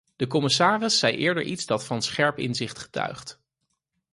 De commissaris zei eerder iets dat van scherp inzicht getuigt.